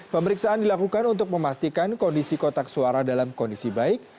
pemeriksaan dilakukan untuk memastikan kondisi kotak suara dalam kondisi baik